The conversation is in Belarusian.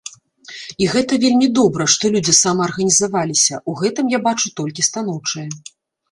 І гэта вельмі добра, што людзі самаарганізаваліся, у гэтым я бачу толькі станоўчае.